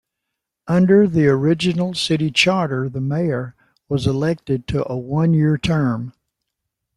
Under the original city charter, the mayor was elected to a one-year term.